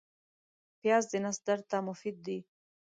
پیاز د نس درد ته مفید دی